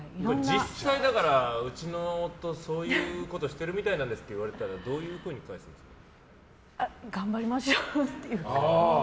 実際、うちの夫そういうことしてるみたいなんですって言われたら頑張りましょうって。